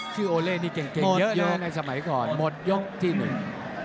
ชื่อโอเล่นี่เก่งเยอะในสมัยก่อนหมดยกที่หนึ่ง